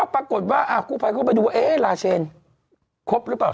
ปรากฏว่ากู้ภัยก็ไปดูว่าลาเชนครบหรือเปล่า